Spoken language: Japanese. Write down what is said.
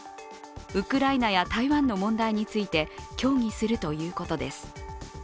ウクライナや台湾の問題について協議するということです。